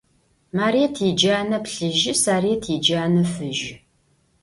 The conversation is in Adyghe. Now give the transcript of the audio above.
Марыет иджанэ плъыжьы, Сарыет иджанэ фыжьы.